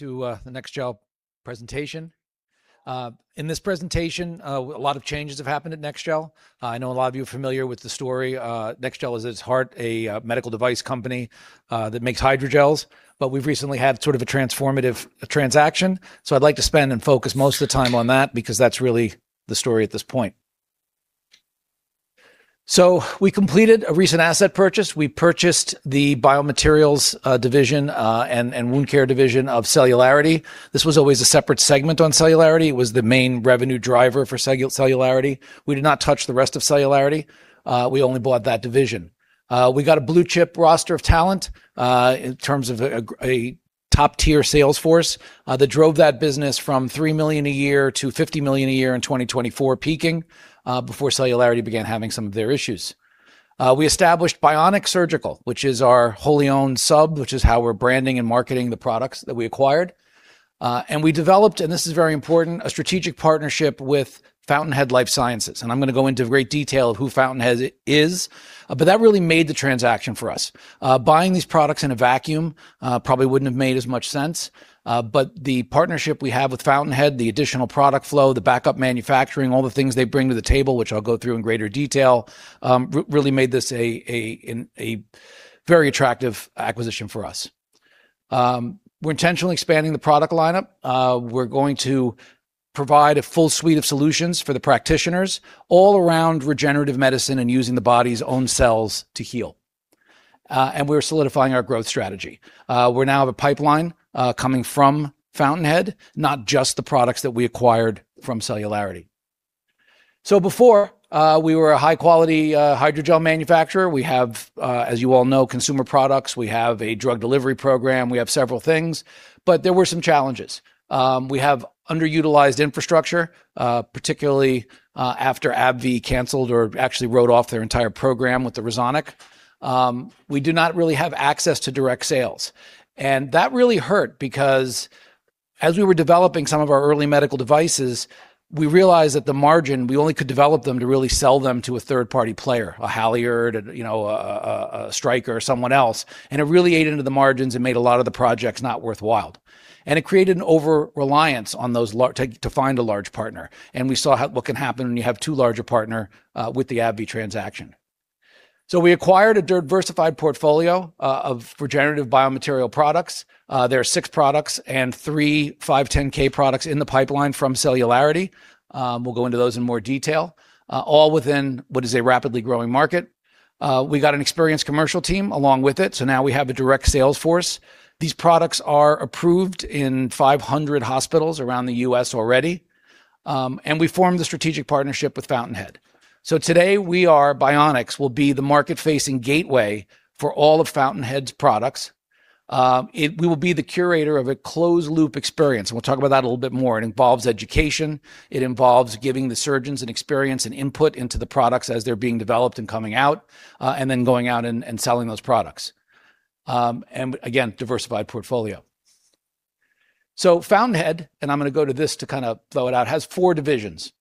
To the NEXGEL presentation. In this presentation, a lot of changes have happened at NEXGEL. I know a lot of you are familiar with the story. NEXGEL is, at its heart, a medical device company that makes hydrogels, but we've recently had sort of a transformative transaction. I'd like to spend and focus most of the time on that because that's really the story at this point. We completed a recent asset purchase. We purchased the biomaterials division and wound care division of Celularity. This was always a separate segment on Celularity. It was the main revenue driver for Celularity. We did not touch the rest of Celularity. We only bought that division. We got a blue-chip roster of talent in terms of a top-tier sales force that drove that business from $3 million a year to $50 million a year in 2024, peaking before Celularity began having some of their issues. We established BIONX Surgical, which is our wholly owned sub, which is how we're branding and marketing the products that we acquired. We developed, and this is very important, a strategic partnership with Fountainhead Life Sciences. I'm going to go into great detail of who Fountainhead is, but that really made the transaction for us. Buying these products in a vacuum probably wouldn't have made as much sense. The partnership we have with Fountainhead, the additional product flow, the backup manufacturing, all the things they bring to the table, which I'll go through in greater detail, really made this a very attractive acquisition for us. We're intentionally expanding the product lineup. We're going to provide a full suite of solutions for the practitioners all around regenerative medicine and using the body's own cells to heal. We're solidifying our growth strategy. We now have a pipeline coming from Fountainhead, not just the products that we acquired from Celularity. Before, we were a high-quality hydrogel manufacturer. We have, as you all know, consumer products. We have a drug delivery program. We have several things, but there were some challenges. We have underutilized infrastructure, particularly after AbbVie canceled or actually wrote off their entire program with the RESONIC. We do not really have access to direct sales, that really hurt because as we were developing some of our early medical devices, we realized at the margin, we only could develop them to really sell them to a third-party player, a Halyard, a Stryker, or someone else. It really ate into the margins and made a lot of the projects not worthwhile. It created an overreliance on those to find a large partner. We saw what can happen when you have too large a partner with the AbbVie transaction. We acquired a diversified portfolio of regenerative biomaterial products. There are six products and three 510(k) products in the pipeline from Celularity. We'll go into those in more detail, all within what is a rapidly growing market. We got an experienced commercial team along with it, so now we have a direct sales force. These products are approved in 500 hospitals around the U.S. already. We formed a strategic partnership with Fountainhead. Today, we are, BIONX, will be the market-facing gateway for all of Fountainhead's products. We will be the curator of a closed-loop experience, and we'll talk about that a little bit more. It involves education. It involves giving the surgeons an experience and input into the products as they're being developed and coming out, and then going out and selling those products. Again, diversified portfolio. Fountainhead, and I'm going to go to this to kind of blow it out, has four divisions.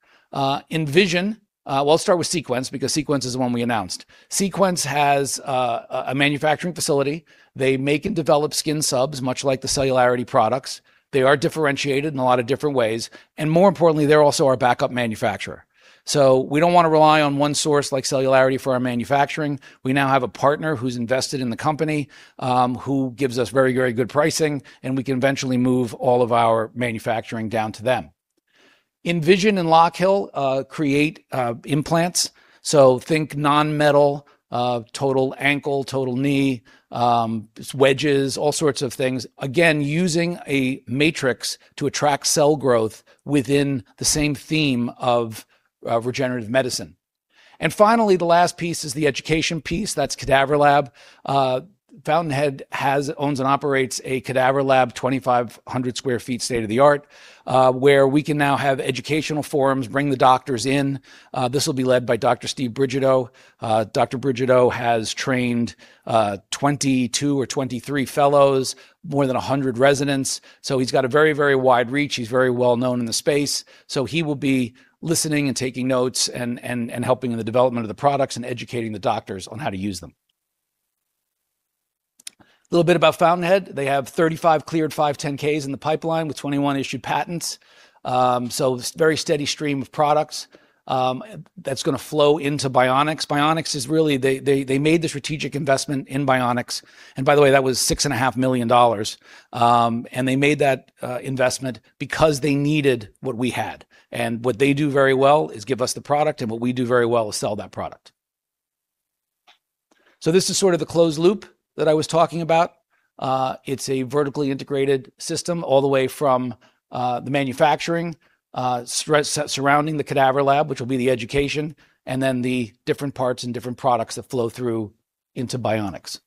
Envision. I'll start with Sequence because Sequence is the one we announced. Sequence has a manufacturing facility. They make and develop skin subs, much like the Celularity products. They are differentiated in a lot of different ways, and more importantly, they're also our backup manufacturer. We don't want to rely on one source like Celularity for our manufacturing. We now have a partner who's invested in the company, who gives us very good pricing, and we can eventually move all of our manufacturing down to them. Envision and Lockheil create implants. Think non-metal, total ankle, total knee, wedges, all sorts of things. Again, using a matrix to attract cell growth within the same theme of regenerative medicine. Finally, the last piece is the education piece. That's Cadaver Lab. Fountainhead owns and operates a Cadaver Lab, 2,500 sq ft, state-of-the-art, where we can now have educational forums, bring the doctors in. This will be led by Dr. Stephen Brigido. Dr. Brigido has trained 22 or 23 fellows, more than 100 residents, so he's got a very wide reach. He's very well-known in the space. He will be listening and taking notes and helping in the development of the products and educating the doctors on how to use them. Little bit about Fountainhead. They have 35 cleared 510(k)s in the pipeline with 21 issued patents. Very steady stream of products that's going to flow into BIONX. BIONX is really— They made the strategic investment in BIONX, and by the way, that was $6.5 million. They made that investment because they needed what we had. What they do very well is give us the product, and what we do very well is sell that product. This is sort of the closed loop that I was talking about. It's a vertically integrated system all the way from the manufacturing surrounding the Cadaver Lab, which will be the education, and then the different parts and different products that flow through into BIONX.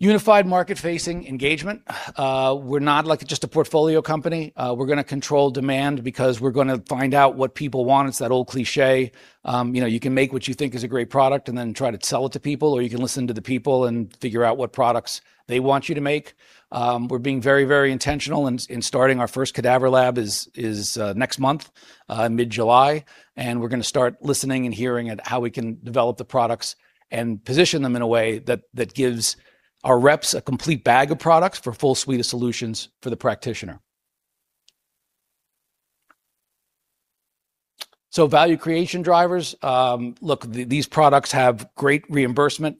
Unified market-facing engagement. We're not just a portfolio company. We're going to control demand because we're going to find out what people want. It's that old cliché, you can make what you think is a great product and then try to sell it to people, or you can listen to the people and figure out what products they want you to make. We're being very intentional in starting our first Cadaver Lab is next month, mid-July, and we're going to start listening and hearing at how we can develop the products and position them in a way that gives our reps a complete bag of products for a full suite of solutions for the practitioner. Value creation drivers. Look, these products have great reimbursement.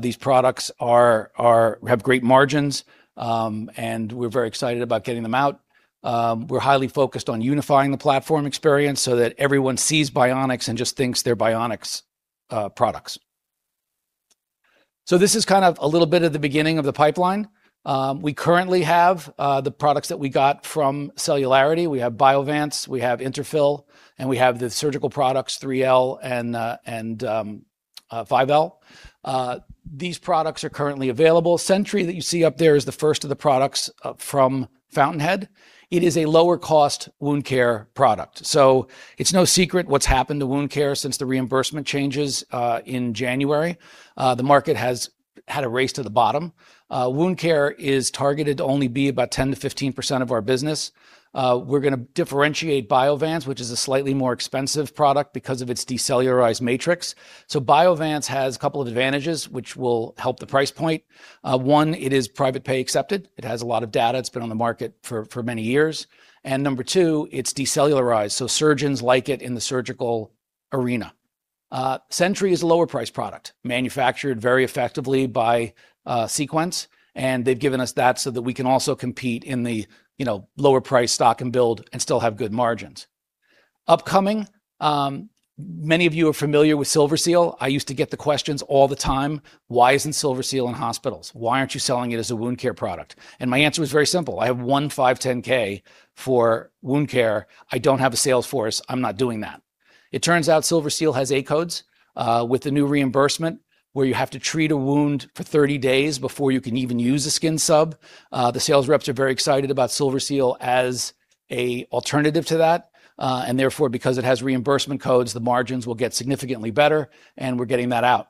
These products have great margins, and we're very excited about getting them out. We're highly focused on unifying the platform experience so that everyone sees BIONX and just thinks they're BIONX products. This is kind of a little bit of the beginning of the pipeline. We currently have the products that we got from Celularity. We have BIOVANCE, we have Interfyl, and we have the surgical products, 3L and 5L. These products are currently available. Sentry, that you see up there, is the first of the products from Fountainhead. It is a lower-cost wound care product. It's no secret what's happened to wound care since the reimbursement changes in January. The market has had a race to the bottom. Wound care is targeted to only be about 10%-15% of our business. We're going to differentiate BIOVANCE, which is a slightly more expensive product because of its decellularized matrix. BIOVANCE has a couple of advantages, which will help the price point. One, it is private pay accepted. It has a lot of data. It's been on the market for many years. Number two, it's decellularized, so surgeons like it in the surgical arena. Sentry is a lower price product manufactured very effectively by Sequence. They've given us that so that we can also compete in the lower price stock and build and still have good margins. Upcoming, many of you are familiar with SilverSeal. I used to get the questions all the time, "Why isn't SilverSeal in hospitals? Why aren't you selling it as a wound care product?" My answer was very simple, "I have one 510(k) for wound care. I don't have a sales force. I'm not doing that." It turns out SilverSeal has A-codes. With the new reimbursement where you have to treat a wound for 30 days before you can even use a skin sub, the sales reps are very excited about SilverSeal as an alternative to that. Therefore, because it has reimbursement codes, the margins will get significantly better, and we're getting that out.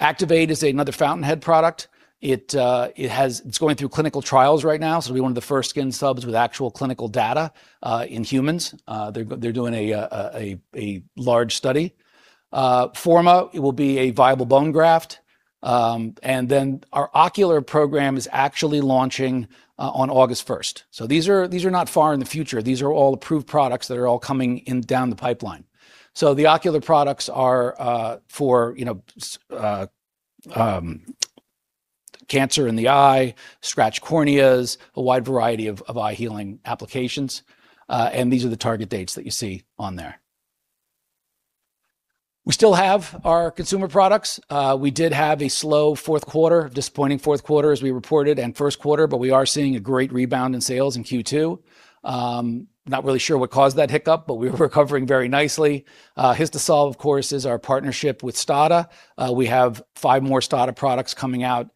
ActivAide is another Fountainhead product. It's going through clinical trials right now, so it'll be one of the first skin subs with actual clinical data in humans. They're doing a large study. Forma, it will be a viable bone graft. Then our ocular program is actually launching on August 1st. These are not far in the future. These are all approved products that are all coming in down the pipeline. The ocular products are for cancer in the eye, scratched corneas, a wide variety of eye healing applications. These are the target dates that you see on there. We still have our consumer products. We did have a slow fourth quarter, disappointing fourth quarter, as we reported, and first quarter, but we are seeing a great rebound in sales in Q2. Not really sure what caused that hiccup, but we're recovering very nicely. HistaSolve, of course, is our partnership with STADA. We have five more STADA products coming out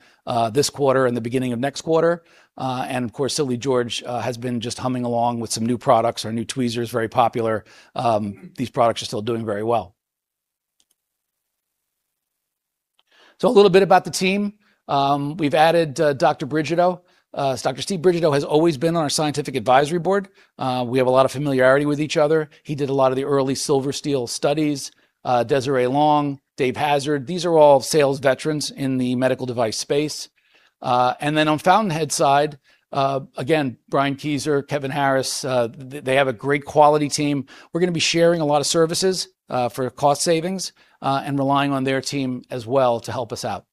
this quarter and the beginning of next quarter. Of course, Silly George has been just humming along with some new products. Our new tweezer is very popular. These products are still doing very well. A little bit about the team. We've added Dr. Brigido. Dr. Steve Brigido has always been on our scientific advisory board. We have a lot of familiarity with each other. He did a lot of the early SilverSeal studies. Desiree Long, Dave Hazard, these are all sales veterans in the medical device space. On Fountainhead's side, Brian J. Kieser, Kevin Harris, they have a great quality team. We're going to be sharing a lot of services for cost savings and relying on their team as well to help us out.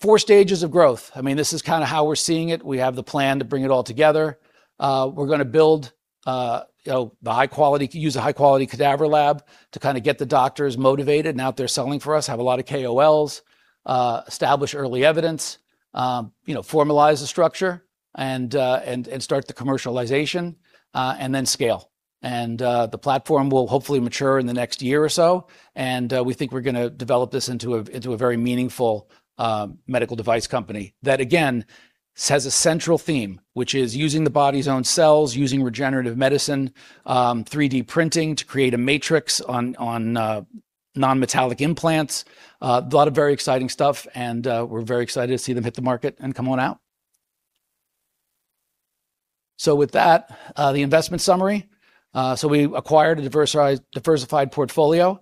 Four stages of growth. This is kind of how we're seeing it. We have the plan to bring it all together. We're going to use a high-quality Cadaver Lab to kind of get the doctors motivated and out there selling for us, have a lot of KOLs, establish early evidence, formalize the structure and start the commercialization, and then scale. The platform will hopefully mature in the next year or so, and we think we're going to develop this into a very meaningful medical device company that again, has a central theme, which is using the body's own cells, using regenerative medicine, 3D printing to create a matrix on non-metallic implants. A lot of very exciting stuff and we're very excited to see them hit the market and come on out. With that, the investment summary. We acquired a diversified portfolio.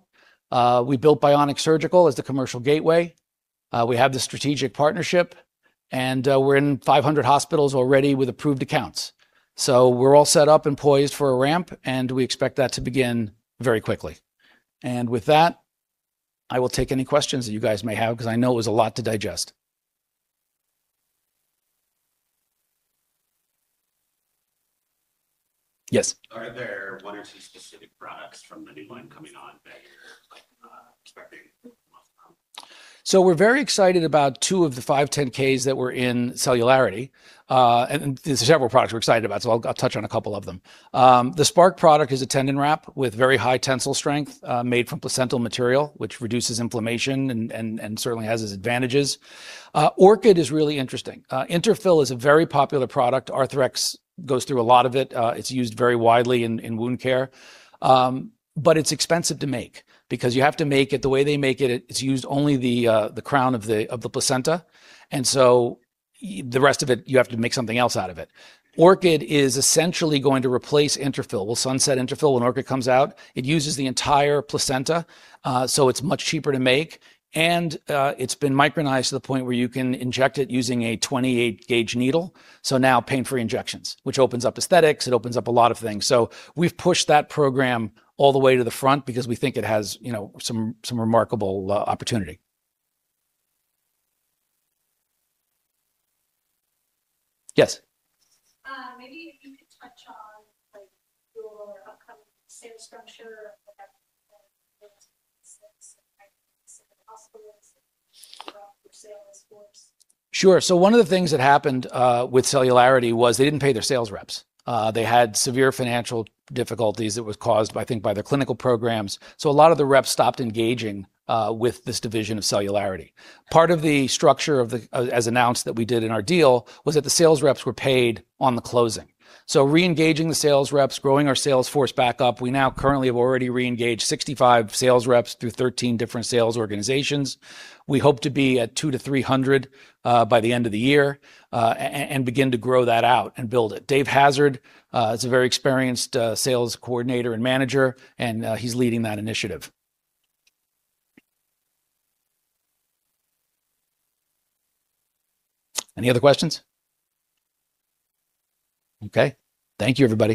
We built BIONX Surgical as the commercial gateway. We have the strategic partnership, and we're in 500 hospitals already with approved accounts. We're all set up and poised for a ramp, and we expect that to begin very quickly. With that, I will take any questions that you guys may have because I know it was a lot to digest. Yes. Are there one or two specific products from the new line coming on that you're expecting the most from? We're very excited about two of the 510(k)s that were in Celularity, and there's several products we're excited about, so I'll touch on a couple of them. The SPARK product is a tendon wrap with very high tensile strength, made from placental material, which reduces inflammation and certainly has its advantages. ORCHID is really interesting. Interfyl is a very popular product. Arthrex goes through a lot of it. It's used very widely in wound care. But it's expensive to make because you have to make it the way they make it. It's used only the crown of the placenta, and so the rest of it, you have to make something else out of it. ORCHID is essentially going to replace Interfyl. We'll sunset Interfyl when ORCHID comes out. It uses the entire placenta, it's much cheaper to make, it's been micronized to the point where you can inject it using a 28-gauge needle. Now pain-free injections, which opens up aesthetics, it opens up a lot of things. We push that program me all the way to the front because we think it has some remarkable opportunity. Yes. Maybe if you could touch on your upcoming sales structure hospitals, your sales force? Sure. One of the things that happened with Celularity was they didn't pay their sales reps. They had severe financial difficulties that was caused, I think, by their clinical programs. A lot of the reps stopped engaging with this division of Celularity. Part of the structure as announced that we did in our deal was that the sales reps were paid on the closing. Reengaging the sales reps, growing our sales force back up. We now currently have already reengaged 65 sales reps through 13 different sales organizations. We hope to be at 200-300 by the end of the year, and begin to grow that out and build it. Dave Hazard is a very experienced sales coordinator and manager, and he's leading that initiative. Any other questions? Okay. Thank you, everybody.